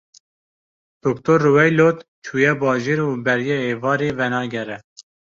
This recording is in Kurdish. Dr. Rweylot çûye bajêr û beriya êvarê venagere.